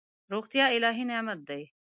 روغتیا الهي نعمت دی.